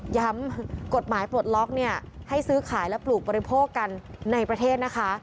กฎหมายปลดล็อกเนี่ยให้ซื้อขายและปลูกบริโภคกันในประเทศนะคะ